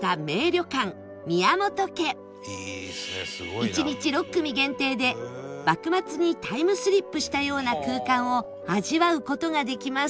１日６組限定で幕末にタイムスリップしたような空間を味わう事ができます